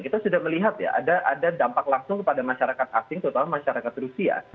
kita sudah melihat ya ada dampak langsung kepada masyarakat asing terutama masyarakat rusia